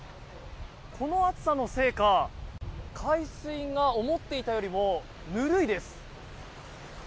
この暑さのせいか海水が思っていたよりもぬるいです。